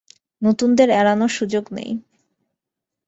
নতুনদের এড়ানোর সুযোগ নেই।